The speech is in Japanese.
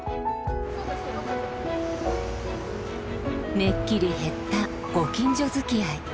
めっきり減ったご近所づきあい。